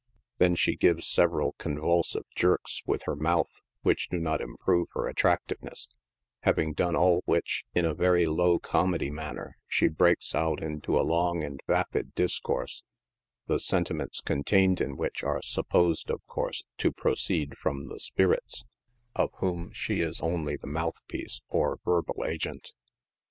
Then she gives several convulsive jerks with her month which do not improve her attractiveness, having cbnc all which in a very low comedy manner, she breaks out into a long anil vapid discourse, the sentiments con tained in which arc supposed, of course, to proceed from the spirits, of whom she is only the mouthpiece, or verbal agent.